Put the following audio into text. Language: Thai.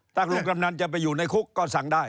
ถ้าครูกำนันจะไปอยู่ในคุกก็สั่งได้